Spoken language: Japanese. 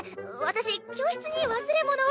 私教室に忘れ物を。